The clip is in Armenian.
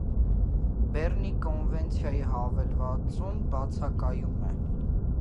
Բեռնի կոնվենցիայի հավելվածում բացակայում է։